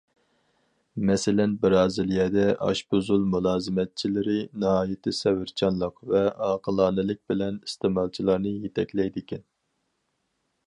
مەسىلەن، بىرازىلىيەدە ئاشپۇزۇل مۇلازىمەتچىلىرى ناھايىتى سەۋرچانلىق ۋە ئاقىلانىلىك بىلەن ئىستېمالچىلارنى يېتەكلەيدىكەن.